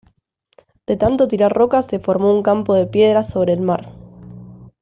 De tanto tirar rocas se formó un campo de piedras sobre el mar.